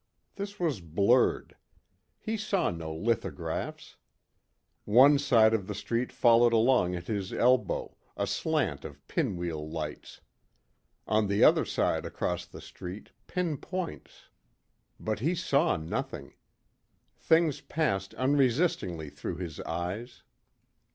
This was blurred. He saw no lithographs. One side of the street followed along at his elbow a slant of pinwheel lights. On the other side across the street, pin points. But he saw nothing. Things passed unresistingly through his eyes.